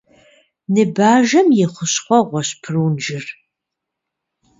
Ныбажэм и хущхъуэгъуэщ прунжыр.